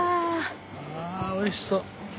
ああおいしそう。